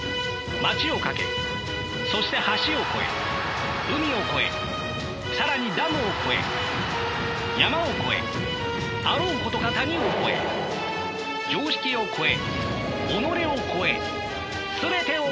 街を駆けそして橋を越え海を越え更にダムを越え山を越えあろうことか谷を越え常識を越え己を越え全てを越えて。